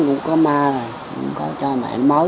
không có ma không có cho mẹ nó mối